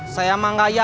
saya mah gak yakin pur